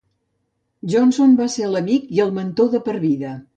Johnson va ser l'amic i el mentor de per vida.